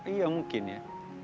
iya mungkin ya